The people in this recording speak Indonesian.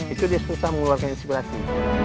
itu dia susah mengeluarkan inspirasi